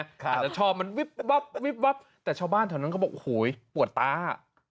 อาจจะชอบมันวิบวับวิบวับแต่ชาวบ้านแถวนั้นเขาบอกโอ้โหปวดตา